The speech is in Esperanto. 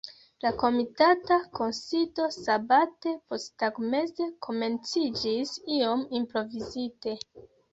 La komitata kunsido sabate posttagmeze komenciĝis iom improvizite.